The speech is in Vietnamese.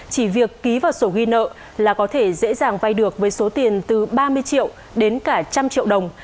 chỉ việc ký vào sổ ghi nợ là có thể dễ dàng vai được với số tiền từ ba mươi triệu đến cả một trăm linh triệu đồng